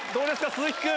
鈴木君。